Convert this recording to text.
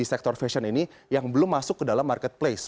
atau fashion ini yang belum masuk ke dalam marketplace